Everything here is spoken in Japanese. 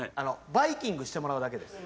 バイキングしてもらうだけです。